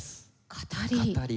「語り」。